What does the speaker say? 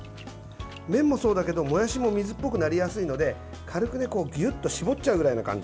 麺もそうだけどもやしも水っぽくなりやすいので軽くぎゅっと絞っちゃうぐらいな感じ。